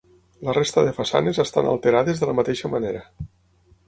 La resta de façanes estan alterades de la mateixa manera.